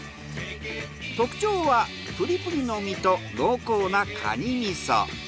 特徴はプリプリの身と濃厚なカニ味噌。